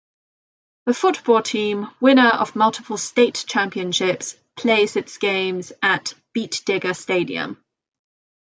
The football team, winner of multiple state championships, plays its games at Beetdigger Stadium.